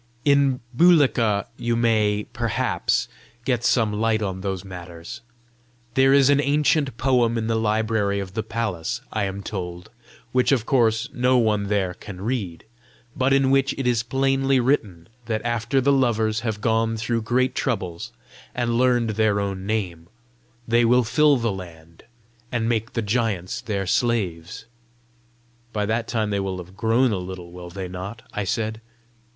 "In Bulika you may, perhaps, get some light on those matters. There is an ancient poem in the library of the palace, I am told, which of course no one there can read, but in which it is plainly written that after the Lovers have gone through great troubles and learned their own name, they will fill the land, and make the giants their slaves." "By that time they will have grown a little, will they not?" I said.